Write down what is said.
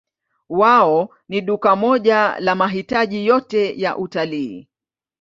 Wao ni duka moja la mahitaji yote ya utalii.